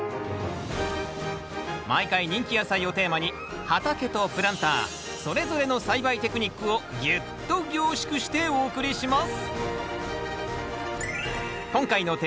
毎回人気野菜をテーマに畑とプランターそれぞれの栽培テクニックをぎゅっと凝縮してお送りします。